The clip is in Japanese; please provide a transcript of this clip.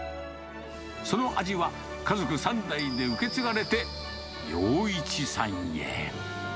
その味は、家族３代で受け継がれて洋一さんへ。